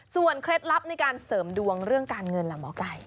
เคล็ดลับในการเสริมดวงเรื่องการเงินล่ะหมอไก่